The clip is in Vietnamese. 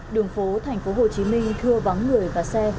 đường phố thành phố hồ chí minh thưa vắng người và xe